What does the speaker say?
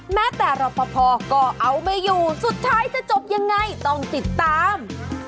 แม้แต่รอปภก็เอาไม่อยู่สุดท้ายจะจบยังไงต้องติดตาม